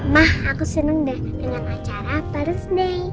mah aku seneng deh dengan acara paris day